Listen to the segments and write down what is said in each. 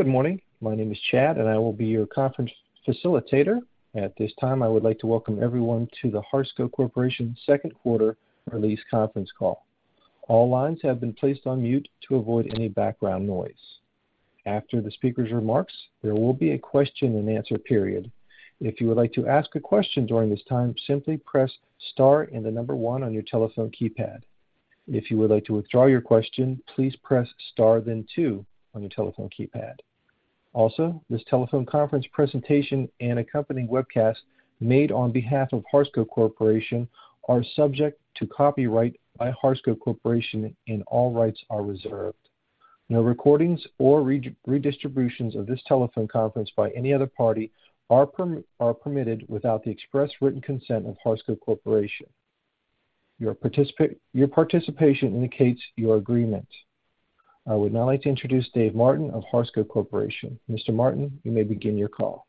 Good morning. My name is Chad, and I will be your conference facilitator. At this time, I would like to welcome everyone to the Harsco Corporation second quarter release conference call. All lines have been placed on mute to avoid any background noise. After the speaker's remarks, there will be a question-and-answer period. If you would like to ask a question during this time, simply press star and the number one on your telephone keypad. If you would like to withdraw your question, please press star, then two on your telephone keypad. Also, this telephone conference presentation and accompanying webcast made on behalf of Harsco Corporation are subject to copyright by Harsco Corporation, and all rights are reserved. No recordings or redistributions of this telephone conference by any other party are permitted without the express written consent of Harsco Corporation. Your participation indicates your agreement. I would now like to introduce Dave Martin of Harsco Corporation. Mr. Martin, you may begin your call.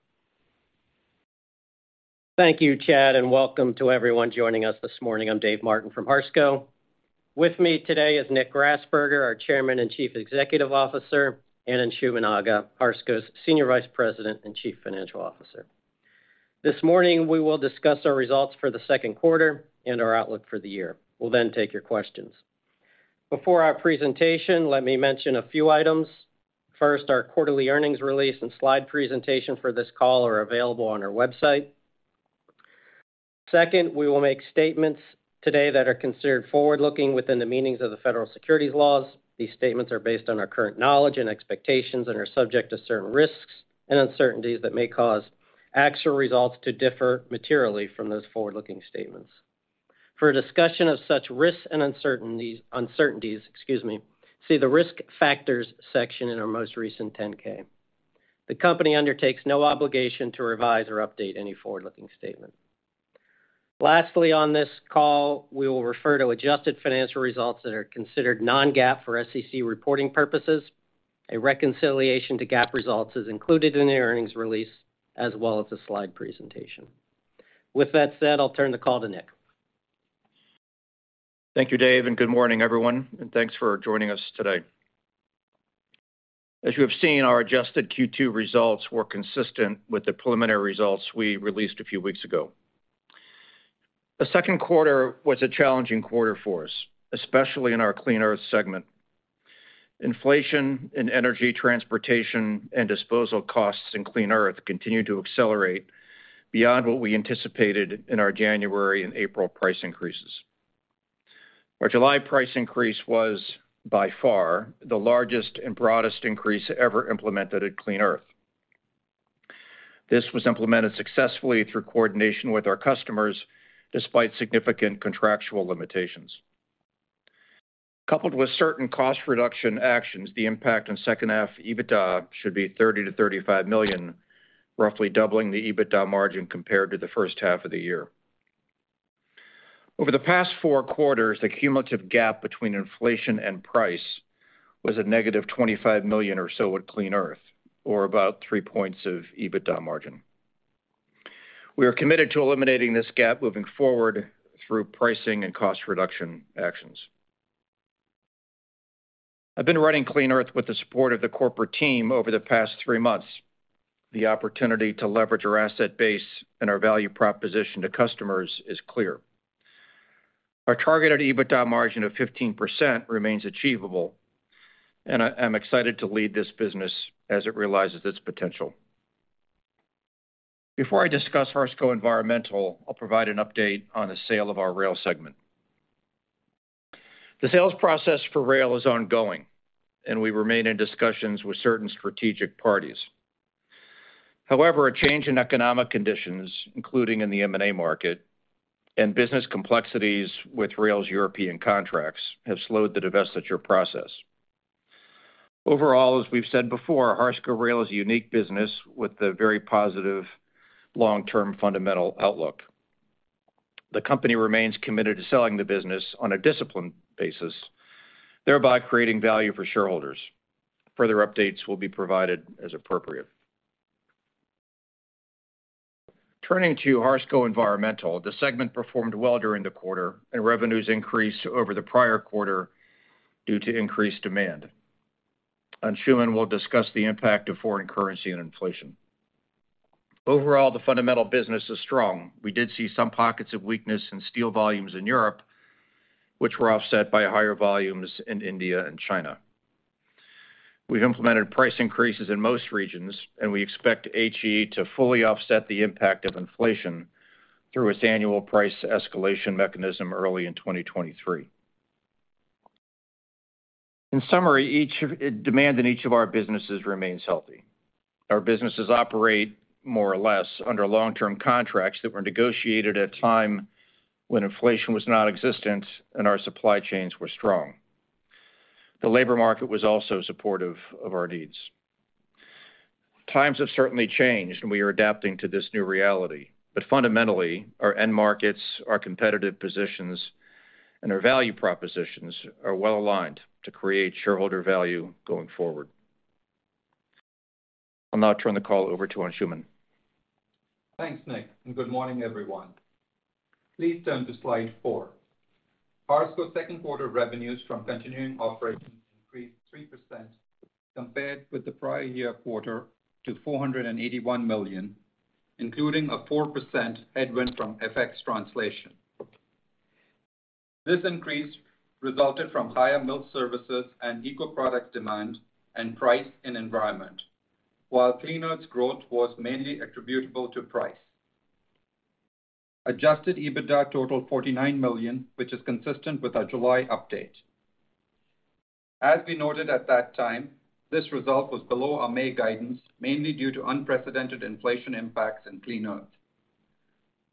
Thank you, Chad, and welcome to everyone joining us this morning. I'm Dave Martin from Harsco. With me today is Nick Grasberger, our Chairman and Chief Executive Officer, and Anshooman Aga, Harsco's Senior Vice President and Chief Financial Officer. This morning, we will discuss our results for the second quarter and our outlook for the year. We'll then take your questions. Before our presentation, let me mention a few items. First, our quarterly earnings release and slide presentation for this call are available on our website. Second, we will make statements today that are considered forward-looking within the meanings of the federal securities laws. These statements are based on our current knowledge and expectations and are subject to certain risks and uncertainties that may cause actual results to differ materially from those forward-looking statements. For a discussion of such risks and uncertainties, excuse me, see the Risk Factors section in our most recent 10-K. The company undertakes no obligation to revise or update any forward-looking statement. Lastly, on this call, we will refer to adjusted financial results that are considered non-GAAP for SEC reporting purposes. A reconciliation to GAAP results is included in the earnings release as well as the slide presentation. With that said, I'll turn the call to Nick. Thank you, Dave, and good morning, everyone, and thanks for joining us today. As you have seen, our adjusted Q2 results were consistent with the preliminary results we released a few weeks ago. The second quarter was a challenging quarter for us, especially in our Clean Earth segment. Inflation in energy, transportation, and disposal costs in Clean Earth continued to accelerate beyond what we anticipated in our January and April price increases. Our July price increase was, by far, the largest and broadest increase ever implemented at Clean Earth. This was implemented successfully through coordination with our customers despite significant contractual limitations. Coupled with certain cost reduction actions, the impact on second half EBITDA should be $30 million-$35 million, roughly doubling the EBITDA margin compared to the first half of the year. Over the past four quarters, the cumulative gap between inflation and price was a -$25 million or so with Clean Earth, or about three points of EBITDA margin. We are committed to eliminating this gap moving forward through pricing and cost reduction actions. I've been running Clean Earth with the support of the corporate team over the past three months. The opportunity to leverage our asset base and our value proposition to customers is clear. Our targeted EBITDA margin of 15% remains achievable, and I'm excited to lead this business as it realizes its potential. Before I discuss Harsco Environmental, I'll provide an update on the sale of our rail segment. The sales process for rail is ongoing, and we remain in discussions with certain strategic parties. However, a change in economic conditions, including in the M&A market and business complexities with rail's European contracts, have slowed the divestiture process. Overall, as we've said before, Harsco Rail is a unique business with a very positive long-term fundamental outlook. The company remains committed to selling the business on a disciplined basis, thereby creating value for shareholders. Further updates will be provided as appropriate. Turning to Harsco Environmental, the segment performed well during the quarter, and revenues increased over the prior quarter due to increased demand. Anshooman will discuss the impact of foreign currency and inflation. Overall, the fundamental business is strong. We did see some pockets of weakness in steel volumes in Europe, which were offset by higher volumes in India and China. We've implemented price increases in most regions, and we expect HE to fully offset the impact of inflation through its annual price escalation mechanism early in 2023. In summary, demand in each of our businesses remains healthy. Our businesses operate more or less under long-term contracts that were negotiated at a time when inflation was nonexistent and our supply chains were strong. The labor market was also supportive of our needs. Times have certainly changed, and we are adapting to this new reality. Fundamentally, our end markets, our competitive positions, and our value propositions are well-aligned to create shareholder value going forward. I'll now turn the call over to Anshooman. Thanks, Nick, and good morning, everyone. Please turn to slide four. Harsco second quarter revenues from continuing operations increased 3% compared with the prior year quarter to $481 million, including a 4% headwind from FX translation. This increase resulted from higher mill services and ecoproducts demand and pricing in Environmental, while Clean Earth's growth was mainly attributable to pricing. Adjusted EBITDA totaled $49 million, which is consistent with our July update. As we noted at that time, this result was below our May guidance, mainly due to unprecedented inflation impacts in Clean Earth.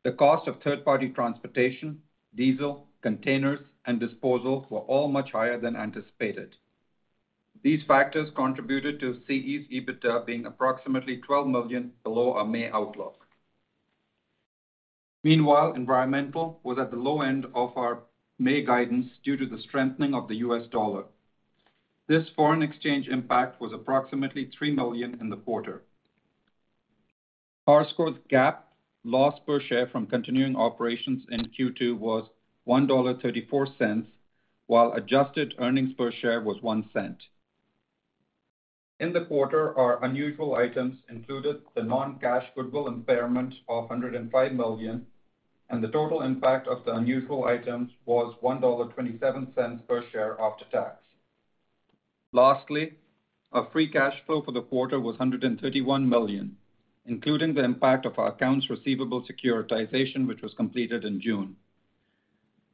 The cost of third-party transportation, diesel, containers, and disposal were all much higher than anticipated. These factors contributed to CE's EBITDA being approximately $12 million below our May outlook. Meanwhile, Environmental was at the low end of our May guidance due to the strengthening of the U.S. dollar. This foreign exchange impact was approximately $3 million in the quarter. Harsco's GAAP loss per share from continuing operations in Q2 was $1.34, while adjusted earnings per share was $0.01. In the quarter, our unusual items included the non-cash goodwill impairment of $105 million, and the total impact of the unusual items was $1.27 per share after tax. Lastly, our free cash flow for the quarter was $131 million, including the impact of our accounts receivable securitization, which was completed in June.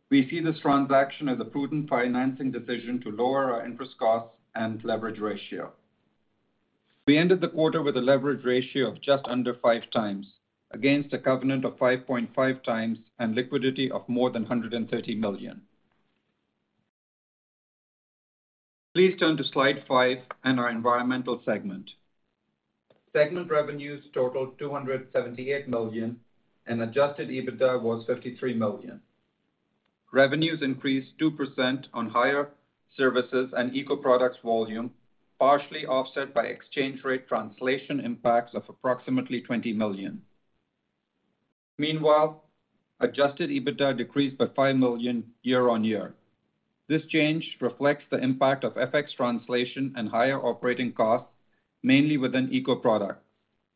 We see this transaction as a prudent financing decision to lower our interest costs and leverage ratio. We ended the quarter with a leverage ratio of just under 5x against a covenant of 5.5x and liquidity of more than $130 million. Please turn to slide five and our environmental segment. Segment revenues totaled $278 million, and Adjusted EBITDA was $53 million. Revenues increased 2% on higher services and ecoproducts volume, partially offset by exchange rate translation impacts of approximately $20 million. Meanwhile, Adjusted EBITDA decreased by $5 million year-on-year. This change reflects the impact of FX translation and higher operating costs, mainly within ecoproducts.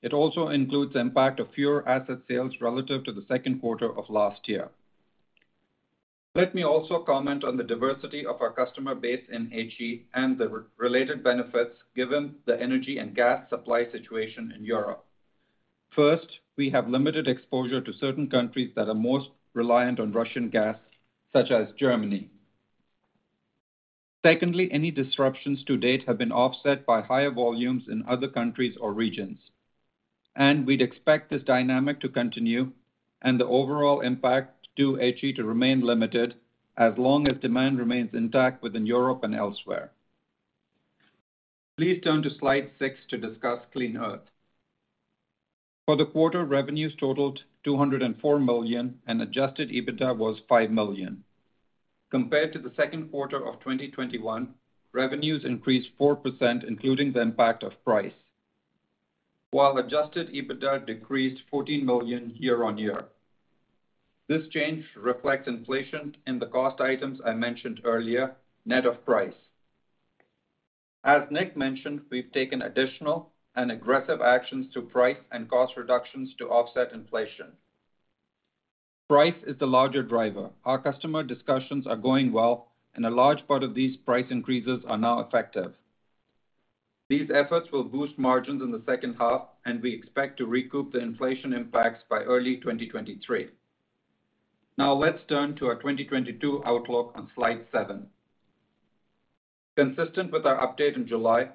It also includes the impact of fewer asset sales relative to the second quarter of last year. Let me also comment on the diversity of our customer base in HE and the related benefits given the energy and gas supply situation in Europe. First, we have limited exposure to certain countries that are most reliant on Russian gas, such as Germany. Secondly, any disruptions to date have been offset by higher volumes in other countries or regions. We'd expect this dynamic to continue and the overall impact to HE to remain limited as long as demand remains intact within Europe and elsewhere. Please turn to slide six to discuss Clean Earth. For the quarter, revenues totaled $204 million, and Adjusted EBITDA was $5 million. Compared to the second quarter of 2021, revenues increased 4%, including the impact of price. While Adjusted EBITDA decreased $14 million year-on-year. This change reflects inflation in the cost items I mentioned earlier, net of price. As Nick mentioned, we've taken additional and aggressive actions to price and cost reductions to offset inflation. Price is the larger driver. Our customer discussions are going well, and a large part of these price increases are now effective. These efforts will boost margins in the second half, and we expect to recoup the inflation impacts by early 2023. Now let's turn to our 2022 outlook on slide seven. Consistent with our update in July,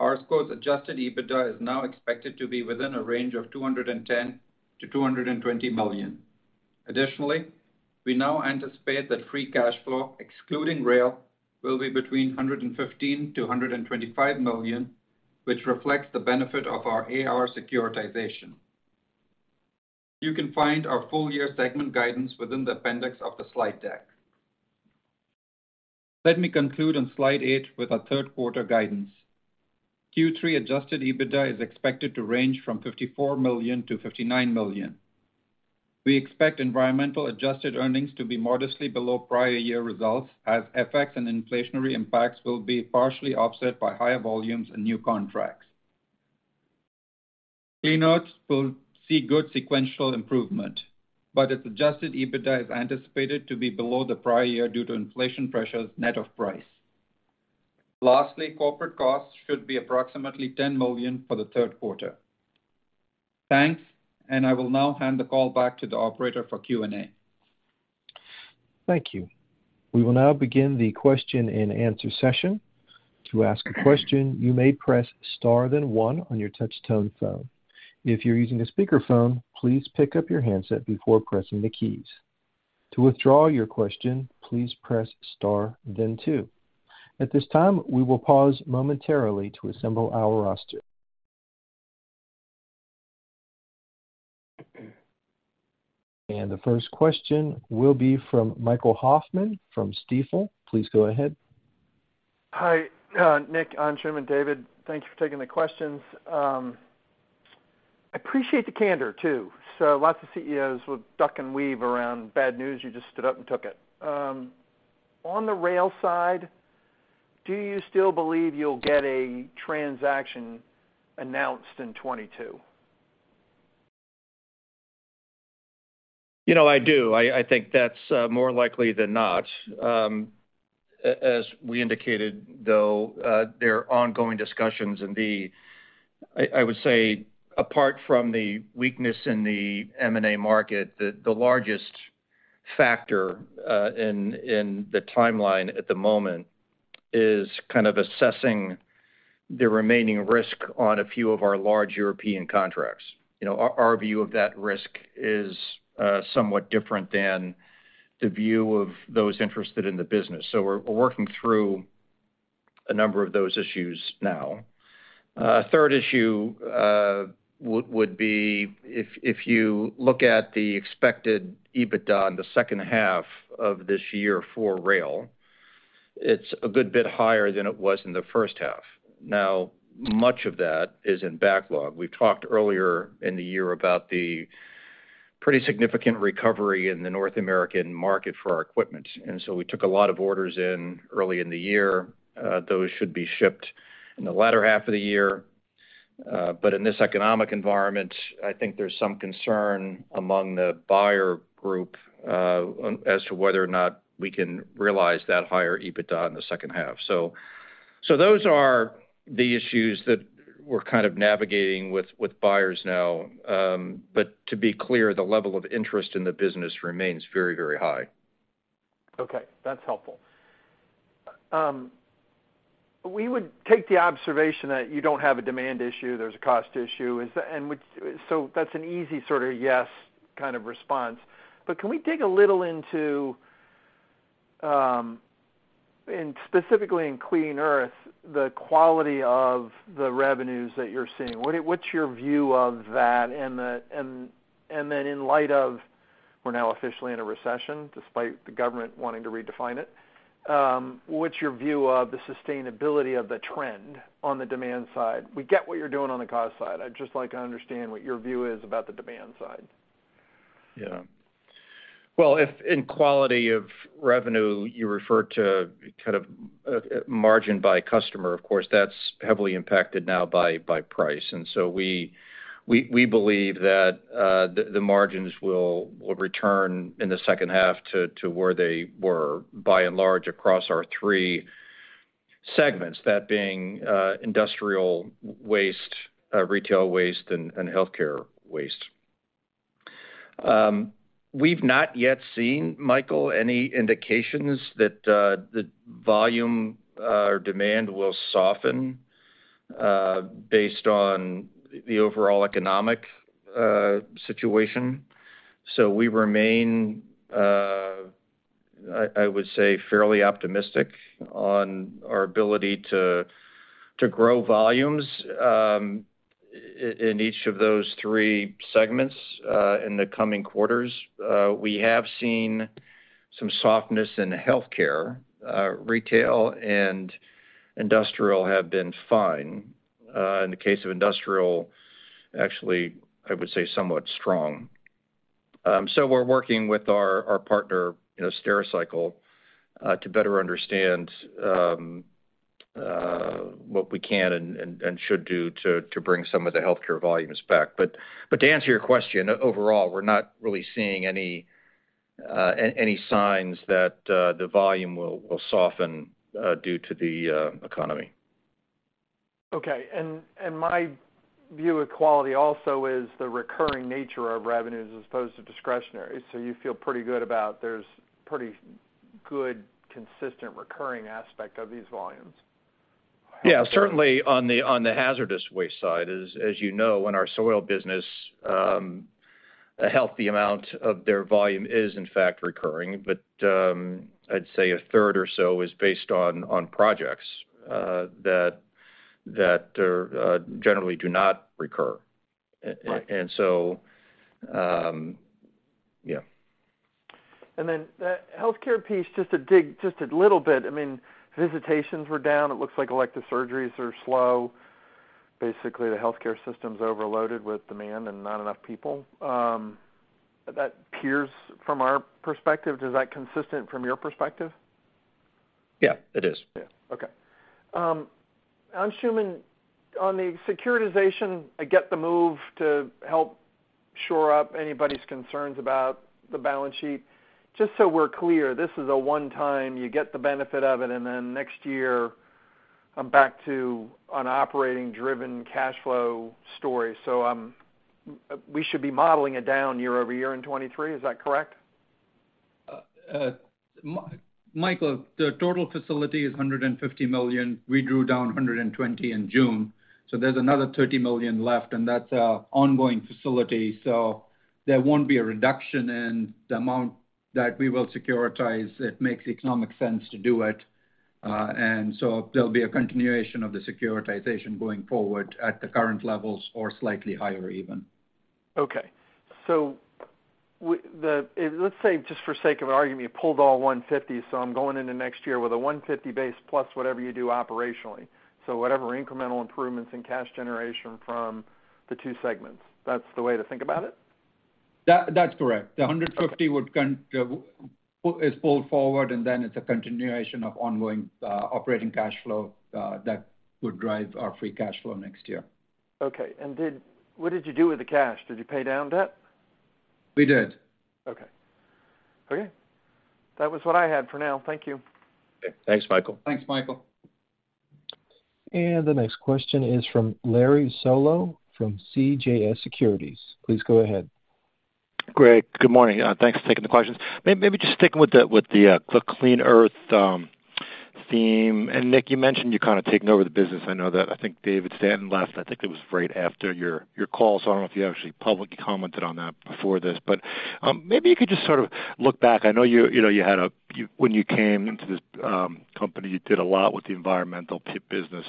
our core's Adjusted EBITDA is now expected to be within a range of $210 million-$220 million. Additionally, we now anticipate that free cash flow, excluding rail, will be between $115 million to $125 million, which reflects the benefit of our AR securitization. You can find our full-year segment guidance within the appendix of the slide deck. Let me conclude on slide eight with our third quarter guidance. Q3 Adjusted EBITDA is expected to range from $54 million-$59 million. We expect environmental adjusted earnings to be modestly below prior year results as FX and inflationary impacts will be partially offset by higher volumes and new contracts. Clean Earth will see good sequential improvement, but its Adjusted EBITDA is anticipated to be below the prior year due to inflation pressures net of price. Lastly, corporate costs should be approximately $10 million for the third quarter. Thanks, and I will now hand the call back to the operator for Q&A. Thank you. We will now begin the question-and-answer session. To ask a question, you may press star then one on your touch tone phone. If you're using a speakerphone, please pick up your handset before pressing the keys. To withdraw your question, please press star then two. At this time, we will pause momentarily to assemble our roster. The first question will be from Michael Hoffman from Stifel. Please go ahead. Hi, Nick, Anshooman, and Dave. Thank you for taking the questions. I appreciate the candor, too. Lots of CEOs will duck and weave around bad news. You just stood up and took it. On the rail side, do you still believe you'll get a transaction announced in 2022? You know, I do. I think that's more likely than not. As we indicated, though, there are ongoing discussions. I would say apart from the weakness in the M&A market, the largest factor in the timeline at the moment is kind of assessing the remaining risk on a few of our large European contracts. You know, our view of that risk is somewhat different than the view of those interested in the business. We're working through a number of those issues now. Third issue would be if you look at the expected EBITDA in the second half of this year for Rail, it's a good bit higher than it was in the first half. Now, much of that is in backlog. We talked earlier in the year about the pretty significant recovery in the North American market for our equipment, and so we took a lot of orders early in the year. Those should be shipped in the latter half of the year. In this economic environment, I think there's some concern among the buyer group as to whether or not we can realize that higher EBITDA in the second half. Those are the issues that we're kind of navigating with buyers now. To be clear, the level of interest in the business remains very, very high. Okay, that's helpful. We would take the observation that you don't have a demand issue, there's a cost issue. That's an easy sort of yes kind of response. Can we dig a little into, and specifically in Clean Earth, the quality of the revenues that you're seeing? What's your view of that and then in light of we're now officially in a recession, despite the government wanting to redefine it, what's your view of the sustainability of the trend on the demand side? We get what you're doing on the cost side. I'd just like to understand what your view is about the demand side. Yeah. Well, if in quality of revenue you refer to kind of margin by customer, of course, that's heavily impacted now by price. We believe that the margins will return in the second half to where they were by and large across our three segments, that being industrial waste, retail waste and healthcare waste. We've not yet seen, Michael, any indications that the volume or demand will soften based on the overall economic situation. We remain, I would say, fairly optimistic on our ability to grow volumes in each of those three segments in the coming quarters. We have seen some softness in healthcare. Retail and industrial have been fine. In the case of industrial, actually, I would say somewhat strong. We're working with our partner, you know, Stericycle, to better understand what we can and should do to bring some of the healthcare volumes back. To answer your question, overall, we're not really seeing any signs that the volume will soften due to the economy. Okay. And my view of quality also is the recurring nature of revenues as opposed to discretionary. You feel pretty good about there's pretty good consistent recurring aspect of these volumes? Yeah. Certainly on the hazardous waste side. As you know, in our soil business, a healthy amount of their volume is in fact recurring. I'd say a third or so is based on projects that generally do not recur. Right. Yeah. Then the healthcare piece, just to dig just a little bit. I mean, visitations were down. It looks like elective surgeries are slow. Basically, the healthcare system's overloaded with demand and not enough people. That appears from our perspective. Is that consistent from your perspective? Yeah, it is. Yeah. Okay. Anshooman, on the securitization, I get the move to help shore up anybody's concerns about the balance sheet. Just so we're clear, this is a one-time, you get the benefit of it, and then next year I'm back to an operating driven cash flow story. We should be modeling it down year-over-year in 2023. Is that correct? Michael, the total facility is $150 million. We drew down $120 million in June, so there's another $30 million left, and that's our ongoing facility. There won't be a reduction in the amount that we will securitize. It makes economic sense to do it, and there'll be a continuation of the securitization going forward at the current levels or slightly higher even. Okay. Let's say, just for the sake of argument, you pulled all $150, so I'm going into next year with a $150 base plus whatever you do operationally. Whatever incremental improvements in cash generation from the two segments. That's the way to think about it? That's correct. The $150 is pulled forward, and then it's a continuation of ongoing operating cash flow that would drive our free cash flow next year. What did you do with the cash? Did you pay down debt? We did. Okay. Okay. That was what I had for now. Thank you. Okay. Thanks, Michael. Thanks, Michael. The next question is from Larry Solow from CJS Securities. Please go ahead. Greg, good morning. Thanks for taking the questions. Maybe just sticking with the Clean Earth theme. Nick, you mentioned you're kind of taking over the business. I know that I think David Baynton left, I think it was right after your call, so I don't know if you actually publicly commented on that before this. Maybe you could just sort of look back. I know you know when you came into this company, you did a lot with the environmental business,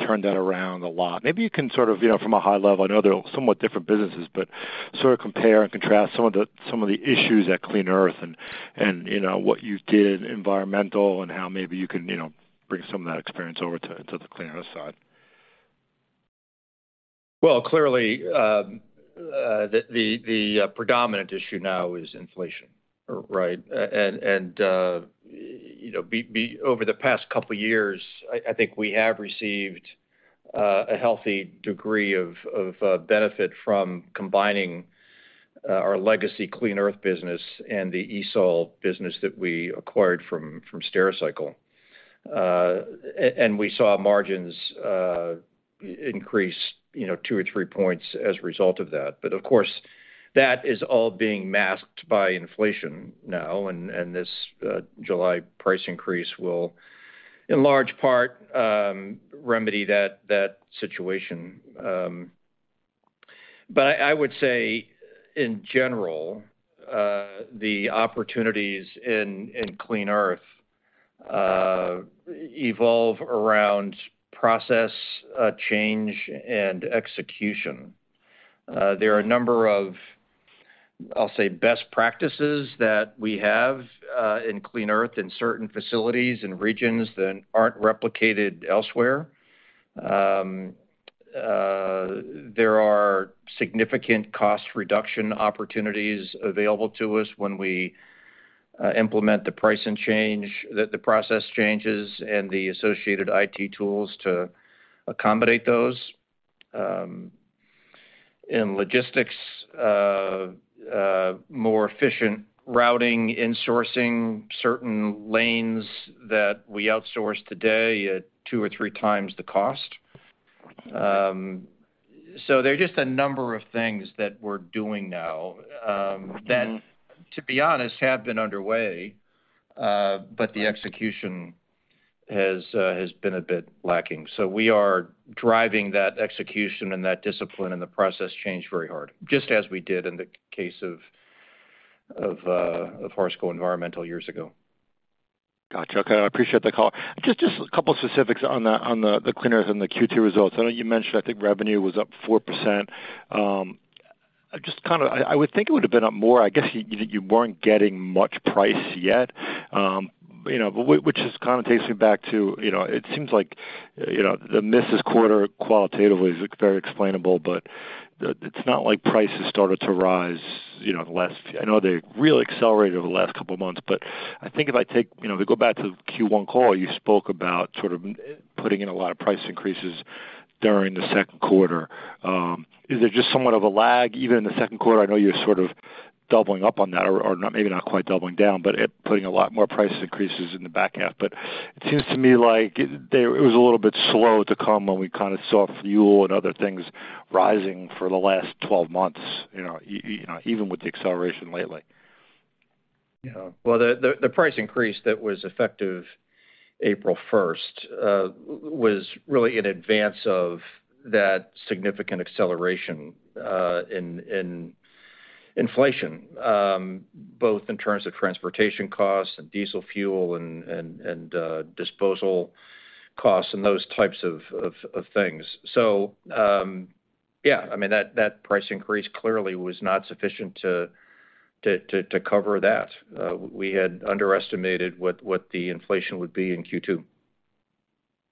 turned that around a lot. Maybe you can sort of, you know, from a high level, I know they're somewhat different businesses, but sort of compare and contrast some of the issues at Clean Earth and, you know, what you did Environmental and how maybe you can, you know, bring some of that experience over to the Clean Earth side. Well, clearly, the predominant issue now is inflation, right? You know, over the past couple years, I think we have received a healthy degree of benefit from combining our legacy Clean Earth business and the ESOL business that we acquired from Stericycle. We saw margins increase, you know, two or three points as a result of that. Of course, that is all being masked by inflation now, and this July price increase will, in large part, remedy that situation. I would say in general, the opportunities in Clean Earth evolve around process change and execution. There are a number of, I'll say best practices that we have in Clean Earth in certain facilities and regions that aren't replicated elsewhere. There are significant cost reduction opportunities available to us when we implement the pricing change, the process changes and the associated IT tools to accommodate those. In logistics, more efficient routing, insourcing certain lanes that we outsource today at two or three times the cost. There are just a number of things that we're doing now, that, to be honest, have been underway, but the execution has been a bit lacking. We are driving that execution and that discipline and the process change very hard, just as we did in the case of Harsco Environmental years ago. Got you. Okay. I appreciate the call. Just a couple specifics on the Clean Earth and the Q2 results. I know you mentioned, I think revenue was up 4%. I just kind of would think it would have been up more. I guess you weren't getting much price yet. You know, but which just kind of takes me back to, you know, it seems like, you know, the miss this quarter qualitatively is very explainable, but it's not like prices started to rise, you know. I know they really accelerated over the last couple of months. I think if I take, you know, if we go back to Q1 call, you spoke about sort of putting in a lot of price increases during the second quarter. Is it just somewhat of a lag, even in the second quarter? I know you're sort of doubling up on that or not, maybe not quite doubling down, but putting a lot more price increases in the back half. It seems to me like it was a little bit slow to come when we kind of saw fuel and other things rising for the last 12 months, you know, even with the acceleration lately. Yeah. Well, the price increase that was effective April first was really in advance of that significant acceleration in inflation, both in terms of transportation costs and diesel fuel and disposal costs and those types of things. Yeah, I mean, that price increase clearly was not sufficient to cover that. We had underestimated what the inflation would be in Q2.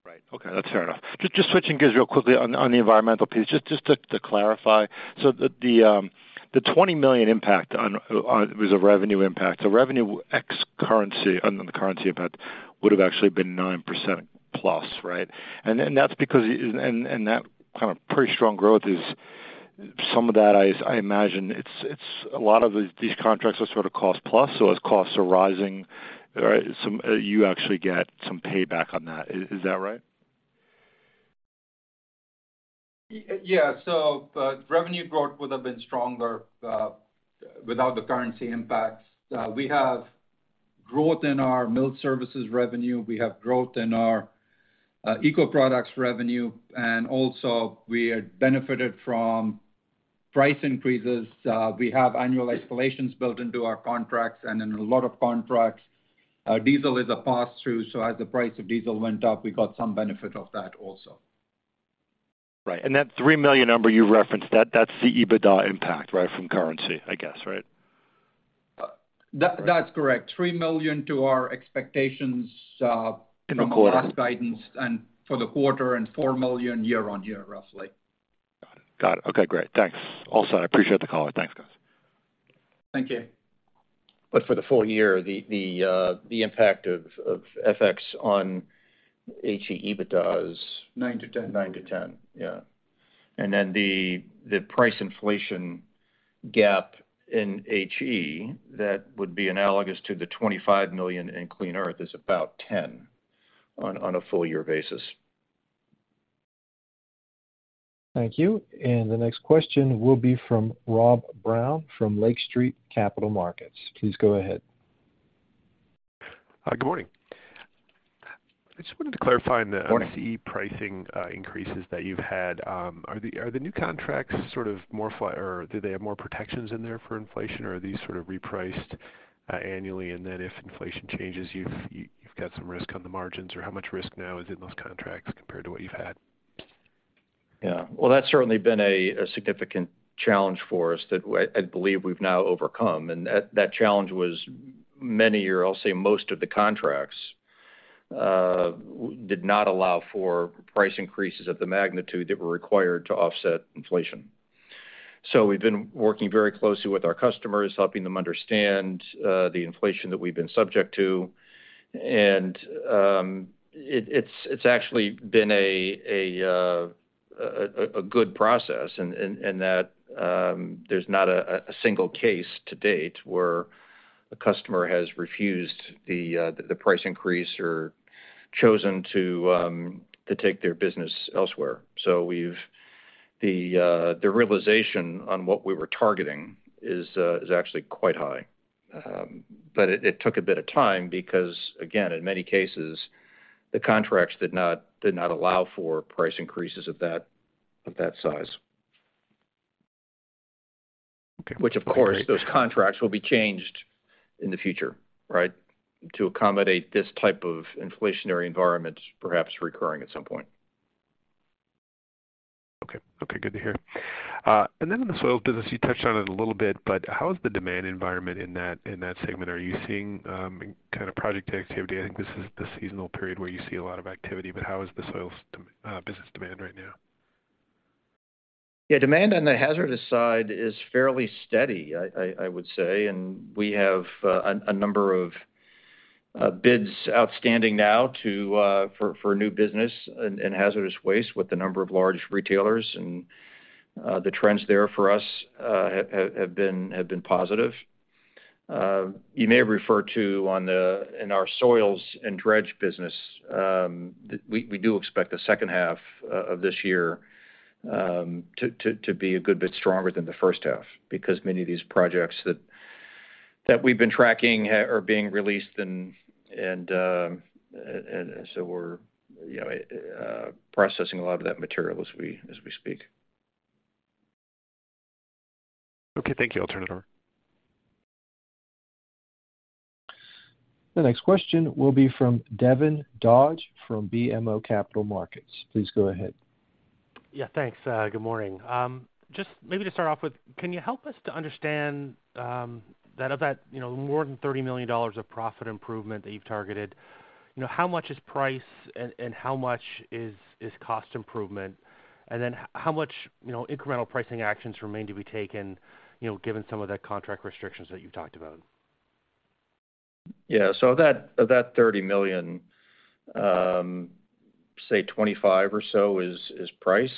Right. Okay. That's fair enough. Just switching gears real quickly on the environmental piece, just to clarify. So the $20 million impact on was a revenue impact. The revenue ex currency and then the currency impact would have actually been 9%+ right? That kind of pretty strong growth is some of that. I imagine it's a lot of these contracts are sort of cost plus, so as costs are rising, some you actually get some payback on that. Is that right? Revenue growth would have been stronger without the currency impacts. We have growth in our mill services revenue. We have growth in our ecoproducts revenue. We are benefited from price increases. We have annual escalations built into our contracts, and in a lot of contracts, our diesel is a pass-through, so as the price of diesel went up, we got some benefit of that also. Right. That $3 million number you referenced, that's the EBITDA impact, right? From currency, I guess, right? That's correct. $3 million to our expectations. In the quarter.... from our last guidance and for the quarter and $4 million year-on-year, roughly. Got it. Okay, great. Thanks. Also, I appreciate the call. Thanks, guys. Thank you. For the full year, the impact of FX on HE EBITDA is- 9-10 9-10. Yeah. The price inflation gap in HE that would be analogous to the $25 million in Clean Earth is about $10 on a full year basis. Thank you. The next question will be from Rob Brown from Lake Street Capital Markets. Please go ahead. Hi, good morning. I just wanted to clarify. Good morning. on the CE pricing, increases that you've had. Are the new contracts or do they have more protections in there for inflation or are these sort of repriced, annually and then if inflation changes, you've got some risk on the margins, or how much risk now is in those contracts compared to what you've had? Yeah. Well, that's certainly been a significant challenge for us that I believe we've now overcome. That challenge was many years, I'll say most of the contracts did not allow for price increases of the magnitude that were required to offset inflation. We've been working very closely with our customers, helping them understand the inflation that we've been subject to. It's actually been a good process in that there's not a single case to date where a customer has refused the price increase or chosen to take their business elsewhere. The realization on what we were targeting is actually quite high. It took a bit of time because, again, in many cases, the contracts did not allow for price increases of that size. Okay. Which of course, those contracts will be changed in the future, right? To accommodate this type of inflationary environment, perhaps recurring at some point. Okay. Okay, good to hear. And in the soils business, you touched on it a little bit, but how is the demand environment in that segment? Are you seeing kind of project activity? I think this is the seasonal period where you see a lot of activity, but how is the soils business demand right now? Yeah, demand on the hazardous side is fairly steady, I would say. We have a number of bids outstanding now for new business in hazardous waste with a number of large retailers, and the trends there for us have been positive. You may have referred to in our soils and dredge business. We do expect the second half of this year to be a good bit stronger than the first half because many of these projects that we've been tracking are being released, and we're you know processing a lot of that material as we speak. Okay. Thank you. I'll turn it over. The next question will be from Devin Dodge from BMO Capital Markets. Please go ahead. Yeah, thanks. Good morning. Just maybe to start off with, can you help us to understand that of that more than $30 million of profit improvement that you've targeted, you know, how much is price and how much is cost improvement? Then how much, you know, incremental pricing actions remain to be taken, you know, given some of the contract restrictions that you've talked about? Yeah. Of that $30 million, say 25 or so is price.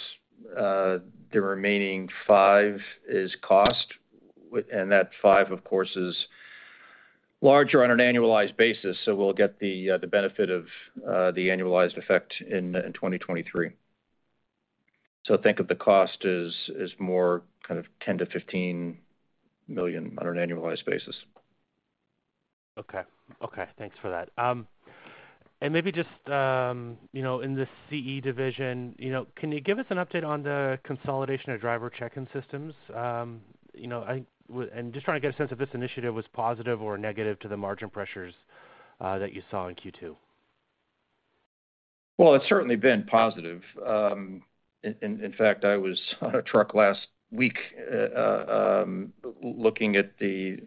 The remaining five is cost and that five, of course, is larger on an annualized basis, so we'll get the benefit of the annualized effect in 2023. Think of the cost as more kind of $10-15 million on an annualized basis. Okay, thanks for that. And maybe just, you know, in the CE division, you know, can you give us an update on the consolidation of driver check-in systems? You know, and just trying to get a sense of this initiative was positive or negative to the margin pressures, that you saw in Q2. Well it's certainly been positive. In fact, I was on a truck last week looking at the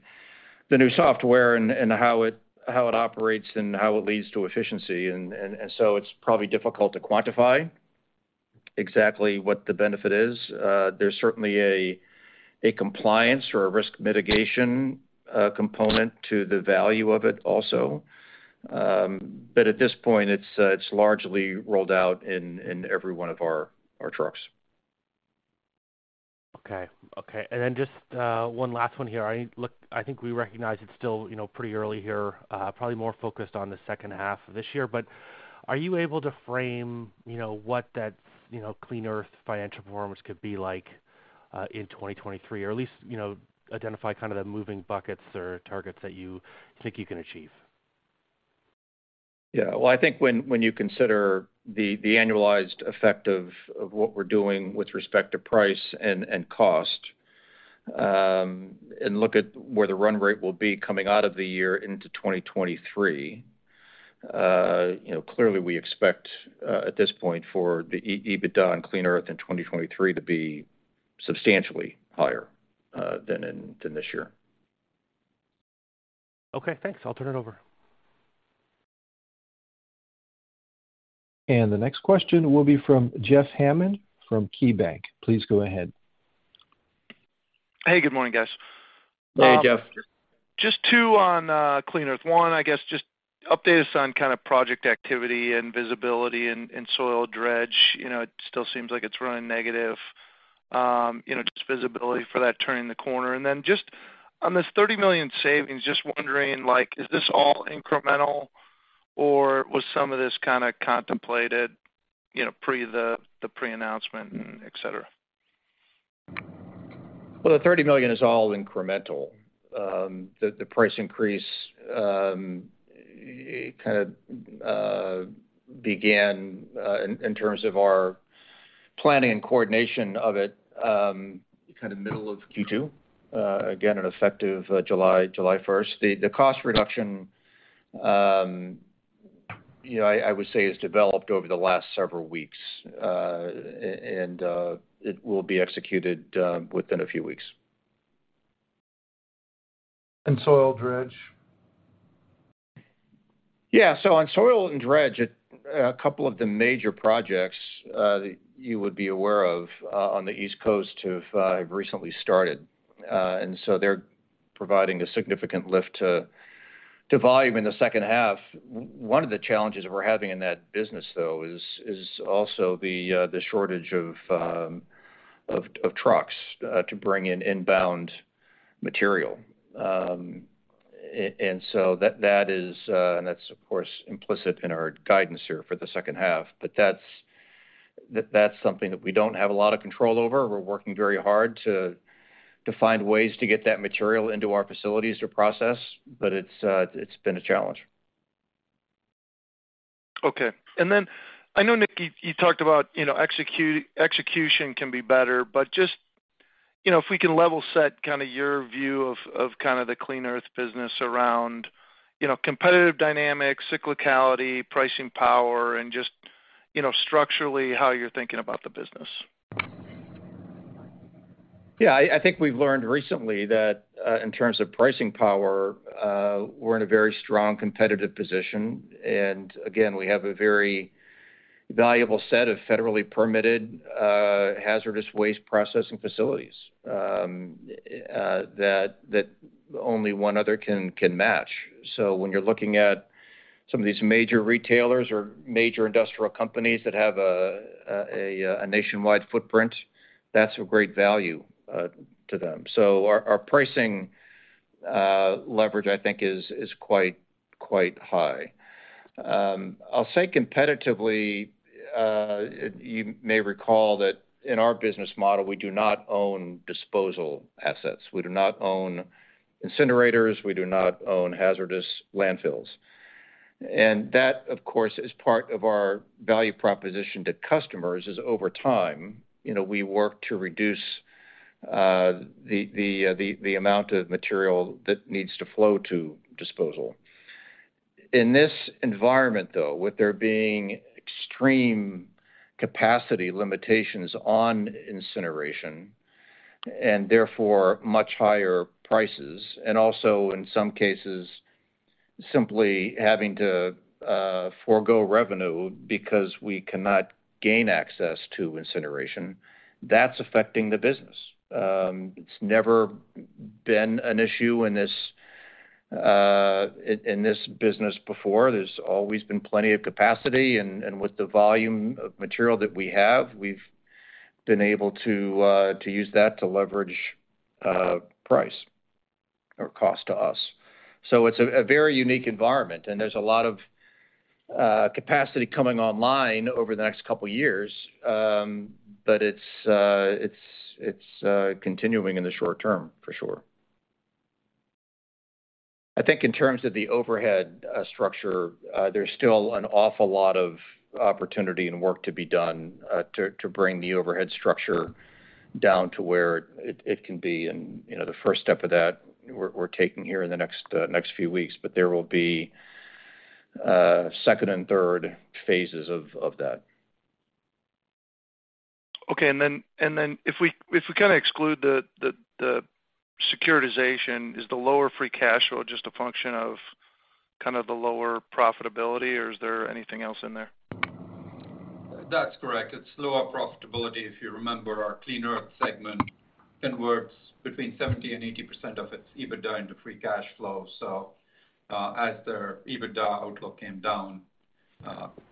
new software and how it operates and how it leads to efficiency. It's probably difficult to quantify exactly what the benefit is. There's certainly a compliance or a risk mitigation component to the value of it also. At this point, it's largely rolled out in every one of our trucks. Just one last one here. I think we recognize it's still, you know, pretty early here, probably more focused on the second half of this year, but are you able to frame, you know, what that, you know, Clean Earth financial performance could be like? In 2023, or at least, you know, identify kind of the moving buckets or targets that you think you can achieve. Yeah. Well, I think when you consider the annualized effect of what we're doing with respect to price and cost, and look at where the run rate will be coming out of the year into 2023, you know, clearly we expect at this point for the EBITDA on Clean Earth in 2023 to be substantially higher than this year. Okay, thanks. I'll turn it over. The next question will be from Jeff Hammond from KeyBanc. Please go ahead. Hey, good morning, guys. Hey, Jeff. Just two on Clean Earth. One, I guess, just update us on kind of project activity and visibility in soil dredge. You know, it still seems like it's running negative. You know, just visibility for that turning the corner. Then just on this $30 million savings, just wondering, like, is this all incremental, or was some of this kind of contemplated, you know, pre the pre-announcement, et cetera? Well, the $30 million is all incremental. The price increase kind of began in terms of our planning and coordination of it kind of middle of Q2, again, effective July 1st. The cost reduction you know I would say has developed over the last several weeks and it will be executed within a few weeks. soil dredge? Yeah. On soil and dredge, a couple of the major projects you would be aware of on the East Coast to have recently started. They're providing a significant lift to volume in the second half. One of the challenges that we're having in that business though is also the shortage of trucks to bring in inbound material. That is and that's of course implicit in our guidance here for the second half. That's something that we don't have a lot of control over. We're working very hard to find ways to get that material into our facilities to process, but it's been a challenge. Okay. I know, Nick, you talked about, you know, execution can be better, but just, you know, if we can level set kind of your view of kind of the Clean Earth business around, you know, competitive dynamics, cyclicality, pricing power, and just, you know, structurally how you're thinking about the business. Yeah. I think we've learned recently that in terms of pricing power, we're in a very strong competitive position. Again, we have a very valuable set of federally permitted hazardous waste processing facilities that only one other can match. When you're looking at some of these major retailers or major industrial companies that have a nationwide footprint, that's of great value to them. Our pricing leverage, I think, is quite high. I'll say competitively, you may recall that in our business model, we do not own disposal assets. We do not own incinerators, we do not own hazardous landfills. That, of course, is part of our value proposition to customers. Over time, you know, we work to reduce the amount of material that needs to flow to disposal. In this environment, though, with there being extreme capacity limitations on incineration and therefore much higher prices, and also in some cases simply having to forgo revenue because we cannot gain access to incineration, that's affecting the business. It's never been an issue in this business before. There's always been plenty of capacity. With the volume of material that we have, we've been able to use that to leverage price or cost to us. So it's a very unique environment, and there's a lot of capacity coming online over the next couple years. It's continuing in the short term for sure. I think in terms of the overhead structure, there's still an awful lot of opportunity and work to be done to bring the overhead structure down to where it can be. You know, the first step of that we're taking here in the next few weeks. There will be second and third phases of that. Okay. If we kind of exclude the securitization, is the lower free cash flow just a function of kind of the lower profitability, or is there anything else in there? That's correct. It's lower profitability. If you remember, our Clean Earth segment converts between 70% and 80% of its EBITDA into free cash flow. As their EBITDA outlook came down,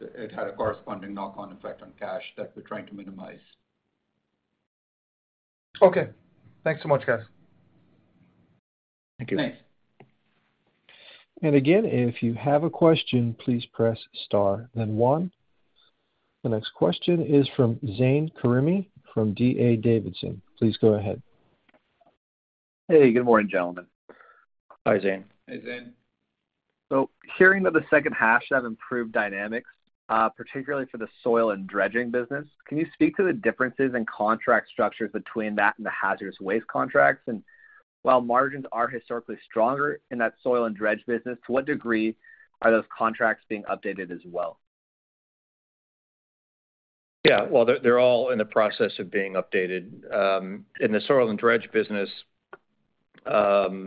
it had a corresponding knock-on effect on cash that we're trying to minimize. Okay. Thanks so much, guys. Thank you. Thanks. Again, if you have a question, please press star then one. The next question is from Zane Karimi from D.A. Davidson. Please go ahead. Hey, good morning, gentlemen. Hi, Zane. Hey, Zane. Hearing that the second half should have improved dynamics, particularly for the soil and dredging business, can you speak to the differences in contract structures between that and the hazardous waste contracts? While margins are historically stronger in that soil and dredge business, to what degree are those contracts being updated as well? Yeah. Well, they're all in the process of being updated. In the soil and dredge business, there's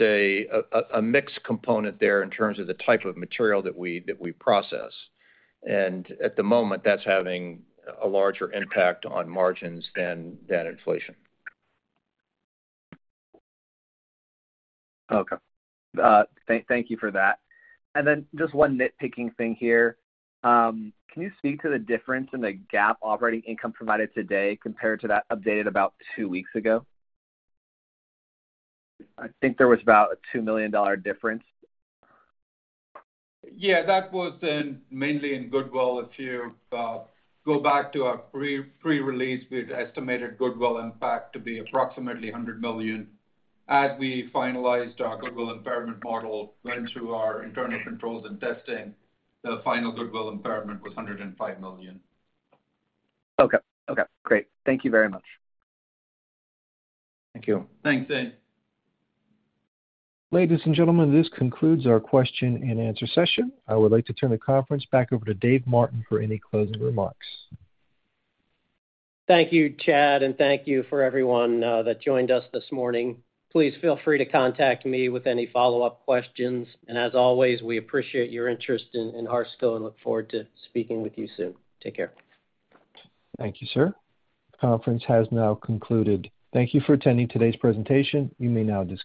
a mixed component there in terms of the type of material that we process. At the moment, that's having a larger impact on margins than inflation. Okay. Thank you for that. Just one nitpicking thing here. Can you speak to the difference in the GAAP operating income provided today compared to that updated about two weeks ago? I think there was about a $2 million difference. Yeah, that was mainly in goodwill. If you go back to our pre-release, we had estimated goodwill impact to be approximately $100 million. As we finalized our goodwill impairment model, went through our internal controls and testing, the final goodwill impairment was $105 million. Okay. Okay, great. Thank you very much. Thank you. Thanks, Zane. Ladies and gentlemen, this concludes our question and answer session. I would like to turn the conference back over to Dave Martin for any closing remarks. Thank you, Chad, and thank you for everyone that joined us this morning. Please feel free to contact me with any follow-up questions. As always, we appreciate your interest in Harsco and look forward to speaking with you soon. Take care. Thank you, sir. Conference has now concluded. Thank you for attending today's presentation. You may now disconnect.